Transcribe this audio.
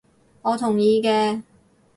我同意嘅